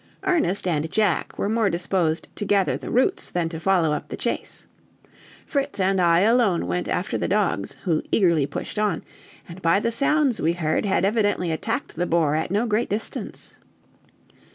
Ernest and Jack were more disposed to gather the roots than to follow up the chase. Fritz and I alone went after the dogs, who eagerly pushed on, and by the sounds we heard had evidently attacked the boar at no great distance.